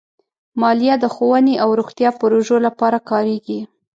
مالیه د ښوونې او روغتیا پروژو لپاره کارېږي.